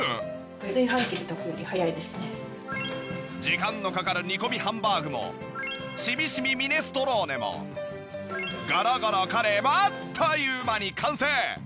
時間のかかる煮込みハンバーグもしみしみミネストローネもごろごろカレーもあっという間に完成！